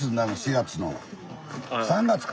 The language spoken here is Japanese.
３月か。